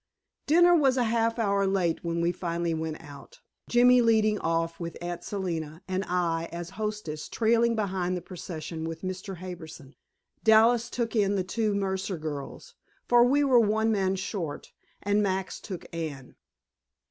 Dinner was a half hour late when we finally went out, Jimmy leading off with Aunt Selina, and I, as hostess, trailing behind the procession with Mr. Harbison. Dallas took in the two Mercer girls, for we were one man short, and Max took Anne.